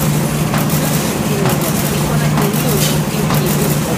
Flanken, sinjoro! Mi konas neniun en tiu ĉi urbo.